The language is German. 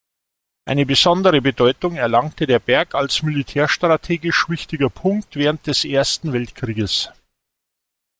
Eine besondere Bedeutung erlangte der Berg als militärstrategisch wichtiger Punkt während des Ersten Weltkrieges.